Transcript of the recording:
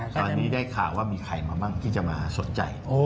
ตอนนี้ได้ข่าวว่ามีใครมาบ้างที่จะมาสนใจ